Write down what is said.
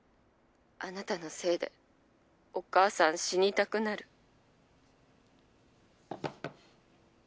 あなたのせいでお母さん死にたくなる